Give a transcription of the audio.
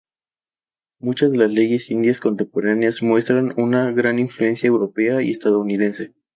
Muchas de las leyes indias contemporáneas muestran una gran influencia europea y estadounidense.